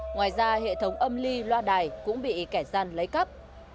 ngoài ra hệ thống âm ly loa đài cũng bị kẻ gian lấy cắp